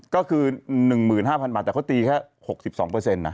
ก็คือ๑๕๐๐บาทแต่เขาตีแค่๖๒นะ